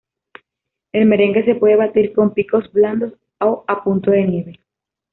El merengue se puede batir con picos blandos o a punto de nieve.